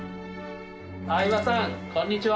相葉さんこんにちは。